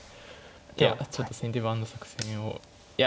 いやちょっと先手番の作戦をいや